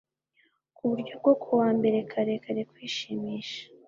kuburyo bwo kuwa mbere-kare-kare kwishimisha